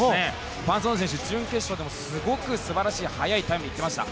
ファン・ソヌ選手、準決勝でもすごく素晴らしい速いタイムでいっていました。